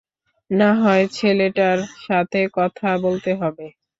নাহয় ছেলেটার সাথে কথা বলতে হবে।